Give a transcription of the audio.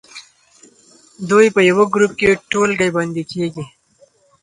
دوی په یوه ګروپ کې ټولګی بندي کیږي.